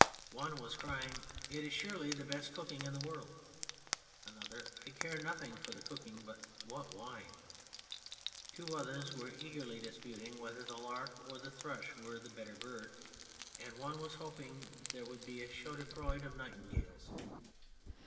One was crying :" It is surely the best cooking in the world !" Another, " I care nothing for the cooking, but what wine !" Two others were eagerly dis puting whether the lark or the thrush were the better bird, and one was hoping that there would be a chaudfroid of nightingales.